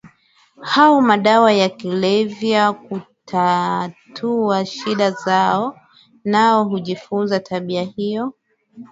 au madawa ya kulevya kutatua shida zao nao hujifunza tabia io